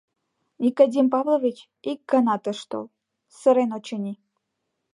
Никодим Павлович ик ганат ыш тол, сырен, очыни.